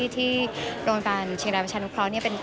ที่โรงพยาบาลเชียงรายประชานุเคราะห์